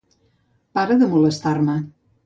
Para de molestar-me.